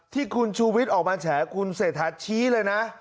ที่คุณชูวิทย์ออกมาแฉคุณเศรษฐาชี้เลยนะ